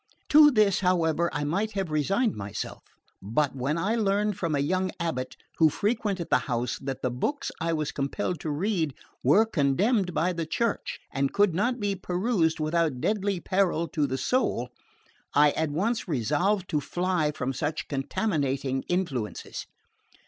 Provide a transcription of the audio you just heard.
To this, however, I might have resigned myself; but when I learned from a young abate who frequented the house that the books I was compelled to read were condemned by the Church, and could not be perused without deadly peril to the soul, I at once resolved to fly from such contaminating influences.